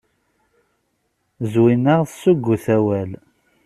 Zwina tessuggut awal.